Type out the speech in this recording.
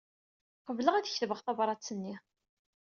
Qebleɣ ad ketbeɣ tabṛat-nni.